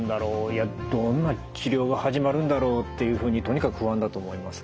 いやどんな治療が始まるんだろう？っていうふうにとにかく不安だと思います。